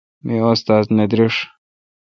می استاد نہ درݭ ۔